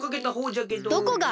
どこが！